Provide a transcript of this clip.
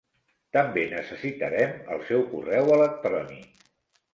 També necessitarem el seu correu electrònic.